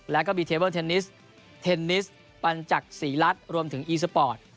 แล้วก็มีเทเบิลเทนนิสเทนนิสปัญจักษีรัฐรวมถึงอีสปอร์ต